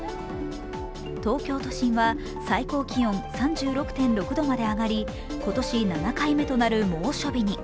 東京都心は最高気温３６．６度まで上がり今年７回目となる猛暑日に。